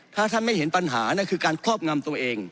ถ้าท่านไม่เห็นปัญหานั่นคือการครอบงำตัวเอง